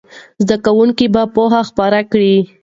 زده کوونکي به پوهه خپره کړي.